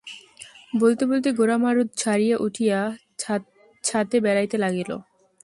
বলিতে বলিতে গোরা মাদুর ছাড়িয়া উঠিয়া ছাতে বেড়াইতে লাগিল।